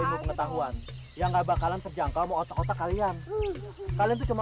ini soal pengetahuan yang gak bakalan terjangkau otak otak kalian kalian cuma